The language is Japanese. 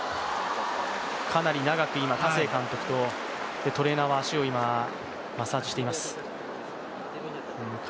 かなり長く今、田勢監督と、トレーナーが足を今、マッサージしています。